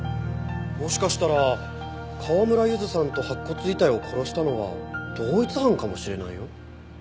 もしかしたら川村ゆずさんと白骨遺体を殺したのは同一犯かもしれないよ。